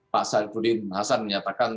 pak sarkudin hasan menyatakan